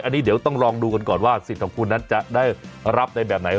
อันนี้เดี๋ยวต้องลองดูกันก่อนว่าสิทธิ์ของคุณนั้นจะได้รับในแบบไหน